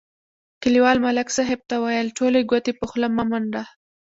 کلیوال ملک صاحب ته ویل: ټولې ګوتې په خوله مه منډه.